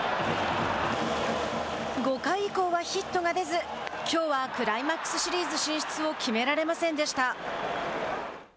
５回以降はヒットが出ずきょうはクライマックスシリーズ進出を決められませんでした。